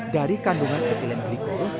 dari kandungan etilen glikol